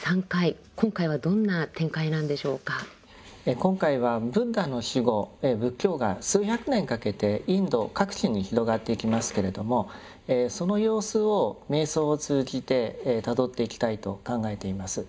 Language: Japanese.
今回はブッダの死後仏教が数百年かけてインド各地に広がっていきますけれどもその様子を瞑想を通じてたどっていきたいと考えています。